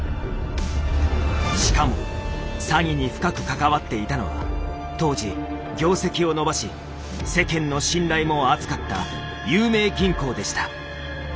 しかも詐欺に深く関わっていたのは当時業績を伸ばし世間の信頼も厚かった有名銀行でした。